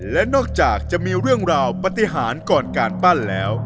และนอกจากจะมีเรื่องราวปฏิหารก่อนการปั้นแล้ว